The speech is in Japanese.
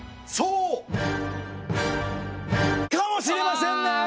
そうかもしれませんね。